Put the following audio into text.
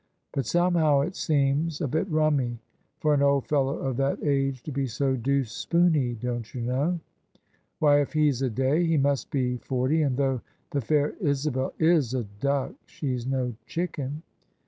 But somehow it seems a bit rummy for an old fellow of that age to be so deuced spoony, don't you know? Why, if he*s a day, he must be forty: and though the fair Isabel is a duck, she's no chicken!"